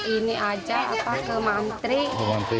ini aja ke mantri